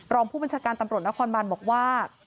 รองผู้บัญชาการตำรวจนครบานบอกว่า